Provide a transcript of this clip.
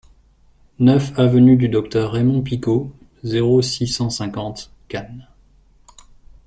neuf avenue du Docteur Raymond Picaud, zéro six, cent cinquante, Cannes